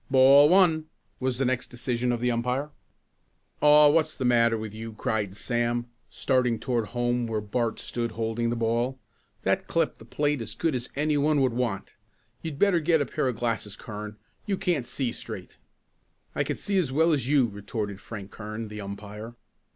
"Ball one," was the next decision of the umpire. "Aw what's the matter with you?" cried Sam, starting toward home where Bart stood holding the ball. "That clipped the plate as good as any one would want. You'd better get a pair of glasses, Kern. You can't see straight." "I can see as well as you!" retorted Frank Kern, the umpire.